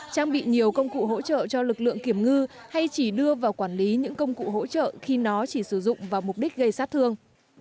trang bị nhiều công cụ hỗ trợ cho lực lượng kiểm ngư hay chỉ đưa vào quản lý những công cụ hỗ trợ khi nó chỉ sử dụng vào mục đích gây sát thương